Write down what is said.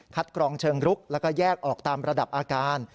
กรองเชิงรุกแล้วก็แยกออกตามระดับอาการ